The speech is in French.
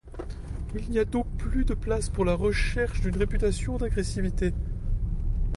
Il n’y a donc plus de place pour la recherche d’une réputation d’agressivité.